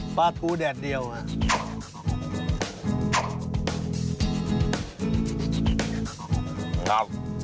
ปลาทูแดดเดียวอ่ะ